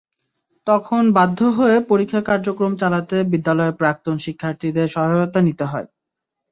তখন বাধ্য হয়ে পরীক্ষা কার্যক্রম চালাতে বিদ্যালয়ের প্রাক্তন শিক্ষার্থীদের সহায়তা নিতে হয়।